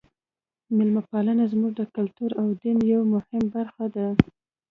میلمه پالنه زموږ د کلتور او دین یوه مهمه برخه ده.